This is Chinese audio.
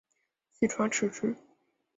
细川持之。